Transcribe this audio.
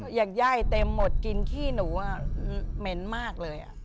อยากไย่เต็มหมดกินขี้หนูเหม็นมากเลย